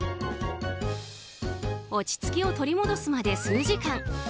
落ち着きを取り戻すまで数時間。